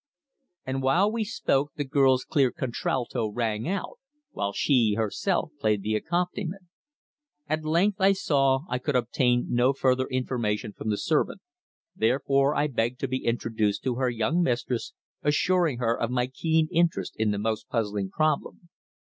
And while we spoke the girl's clear contralto rang out, while she herself played the accompaniment. At length I saw that I could obtain no further information from the servant, therefore I begged to be introduced to her young mistress, assuring her of my keen interest in the most puzzling problem.